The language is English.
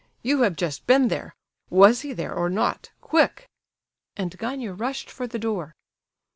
You have just been there. Was he there or not, quick?" And Gania rushed for the door.